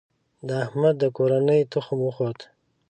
د احمد د کورنۍ تخم وخوت.